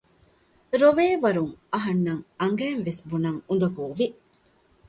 ރޮވޭ ވަރުން އަހަންނަށް އަނގައިންވެސް ބުނަން އުނދަގޫވި